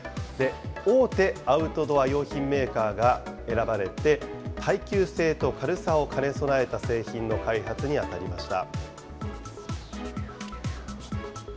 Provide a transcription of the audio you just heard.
大手アウトドア用品メーカーが選ばれて、耐久性と軽さを兼ね備えた製品の開発に当たりました。